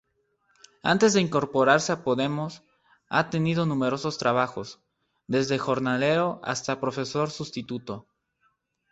Antes de incorporarse a Podemos, ha tenido numerosos trabajos, desde jornalero hasta profesor sustituto.